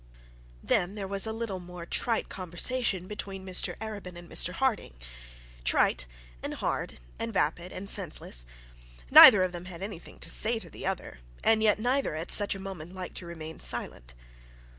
Then there was a little more trite conversation between Mr Arabin and Mr Harding; trite, and hard, and vapid, and senseless. Neither of them had anything to say to the other, and yet neither at such a moment liked to remain silent.